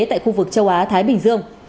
tại khu vực châu á thái bình dương